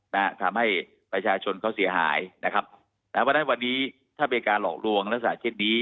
นะฮะทำให้ประชาชนเขาเสียหายนะครับแต่ว่าในวันนี้ถ้าเป็นการหลอกลวงแล้วสาธิตดี